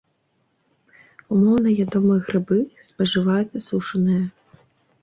Умоўна ядомыя грыбы, спажываюцца сушаныя.